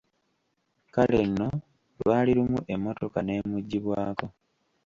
Kale nno lwali lumu emmotoka neemuggibwako.